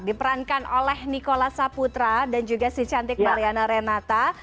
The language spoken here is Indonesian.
diperankan oleh nikola saputra dan juga si cantik mariana renata